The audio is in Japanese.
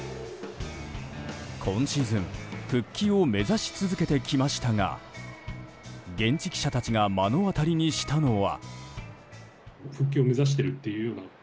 今シーズン復帰を目指し続けてきましたが現地記者たちが目の当たりにしたのは。